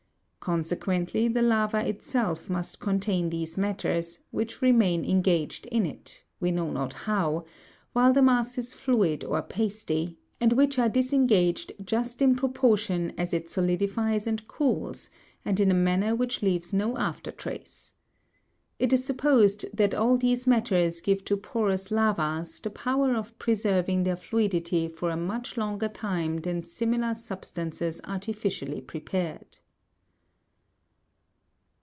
Consequently the lava itself must contain these matters, which remain engaged in it, we know not how, while the mass is fluid or pasty, and which are disengaged just in proportion as it solidifies and cools, and in a manner which leaves no after trace. It is supposed that all these matters give to porous lavas, the power of preserving their fluidity for a much longer time than similar substances artificially prepared.